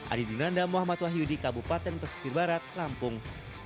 adi dunanda muhammad wahyudi kabupaten pesisir barat lampung